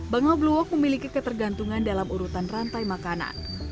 bangau blue walk memiliki ketergantungan dalam urutan rantai makanan